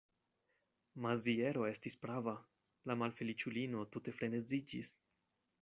Maziero estis prava: la malfeliĉulino tute freneziĝis.